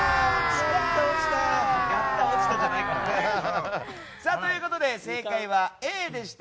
やった、落ちたじゃないから。ということで正解はＡでした。